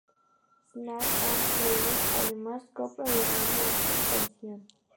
Stannard and Rowe además co-produjeron la canción.